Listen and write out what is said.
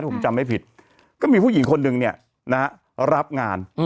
ผมจำไม่ผิดก็มีผู้หญิงคนหนึ่งเนี่ยนะฮะรับงาน